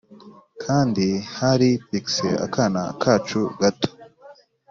kandi hari pixie akana kacu gato.